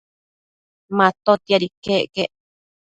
Matotiad iquec quec